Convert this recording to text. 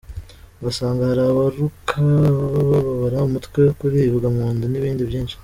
Ugasanga hari abaruka, ababa bababara umutwe, kuribwa mu nda, n’ibindi byinshi.